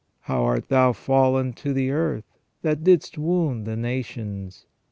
How art thou fallen to the earth, that didst wound the nations